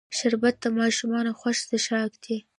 شربت د ماشومانو خوښ څښاک دی